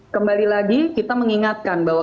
kembali lagi kita mengingatkan bahwa